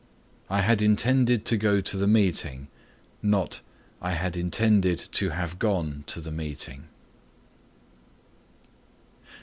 "I had intended to go to the meeting," not "I had intended to have gone to the meeting."